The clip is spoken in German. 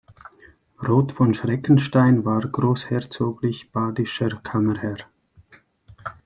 Roth von Schreckenstein war großherzoglich-badischer Kammerherr.